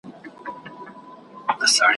خدایه بیرته هغه تللی بیرغ غواړم `